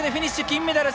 金メダル！